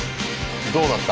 どうなった？